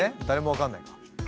誰も分かんないか。